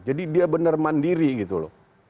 jadi dia benar mandiri gitu loh